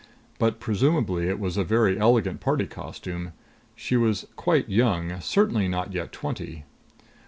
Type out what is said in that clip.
But presumably it was a very elegant party costume. She was quite young, certainly not yet twenty.